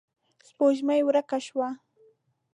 سپوږمۍ ورکه شوه.